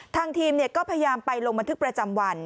ทางทีมก็พยายามไปลงบันทึกประจำวัน